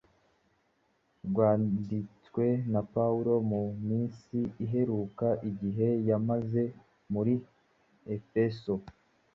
rwanditswe na Pawulo mu minsi iheruka igihe yamaze muri Efeso.